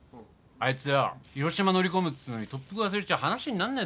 あいつよ広島乗り込むっつうのに特服忘れちゃ話になんねえだろ。